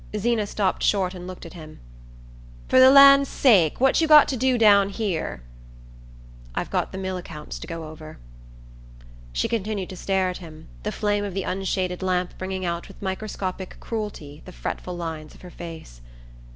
Zeena stopped short and looked at him. "For the land's sake what you going to do down here?" "I've got the mill accounts to go over." She continued to stare at him, the flame of the unshaded lamp bringing out with microscopic cruelty the fretful lines of her face.